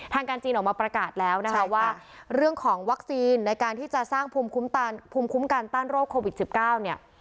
การจีนออกมาประกาศแล้วนะคะว่าเรื่องของวัคซีนในการที่จะสร้างภูมิคุ้มภูมิคุ้มกันต้านโรคโควิด๑๙เนี่ย